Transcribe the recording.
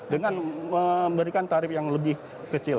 dengan memberikan tarif yang lebih kecil